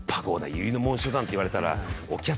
百合の紋章だなんて言われたら。